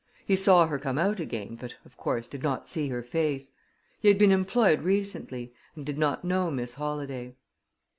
He saw her come out again, but, of course, did not see her face. He had been employed recently, and did not know Miss Holladay.